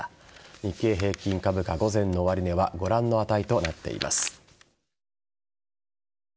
日経平均株価、午前の終値はご覧の値となっています。